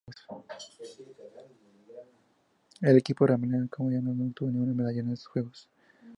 El equipo paralímpico camboyano no obtuvo ninguna medalla en estos Juegos.